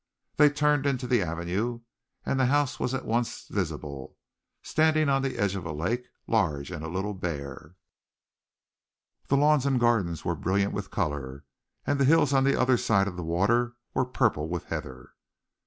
They turned into the avenue, and the house was at once visible, standing on the edge of a lake, large and a little bare. The lawns and gardens were brilliant with color, and the hills on the other side of the water were purple with heather.